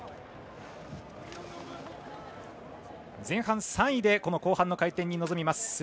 前半３位で後半の回転に臨みます。